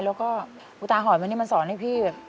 แล้วก็ปุตตาหอยมันนี่มันสอนให้พี่